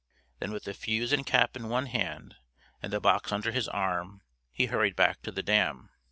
Then with a fuse and cap in one hand and the box under his arm, he hurried back to the dam.